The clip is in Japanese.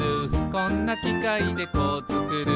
「こんなきかいでこうつくる」